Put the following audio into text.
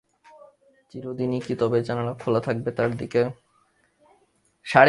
চিরদিনই কি তবে জানলা খোলা থাকবে তার দিকে?